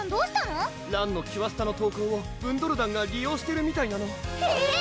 らんのキュアスタの投稿をブンドル団が利用してるみたいなのえぇ⁉